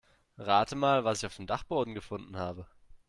Rate mal, was ich auf dem Dachboden gefunden habe.